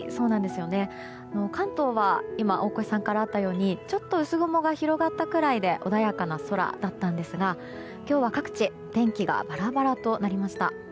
関東は今大越さんからあったようにちょっと薄曇が広がったくらいで穏やかな空だったんですが今日は各地、天気がバラバラとなりました。